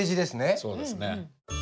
そうですね。